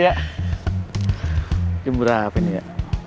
jangan berahapin ya